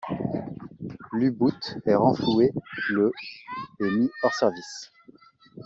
L'U-boot est renfloué le et mis hors service.